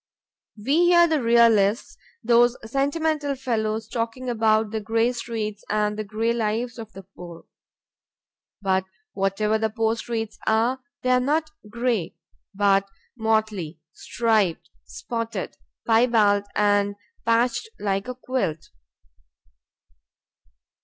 We hear the realists (those sentimental fellows) talking about the gray streets and the gray lives of the poor. But whatever the poor streets are they are not gray; but motley, striped, spotted, piebald and patched like a quilt.